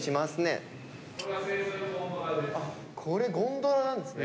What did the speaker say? これゴンドラなんですね。